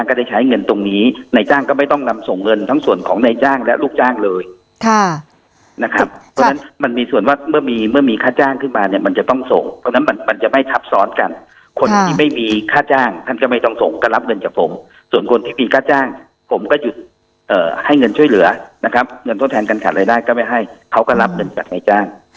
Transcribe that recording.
คนที่มีค่าจ้างขึ้นมาเนี่ยมันจะต้องส่งเพราะฉะนั้นมันจะไม่ชับซ้อนกันคนที่ไม่มีค่าจ้างท่านก็ไม่ต้องส่งก็รับเงินจากผมส่วนคนที่มีค่าจ้างผมก็หยุดให้เงินช่วยเหลือนะครับเงินทดแทนการขาดรายได้ก็ไม่ให้เขาก็รับเงินจากในจ้าง